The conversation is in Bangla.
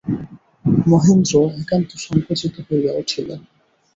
মহেন্দ্র একান্ত সংকুচিত হইয়া উঠিল।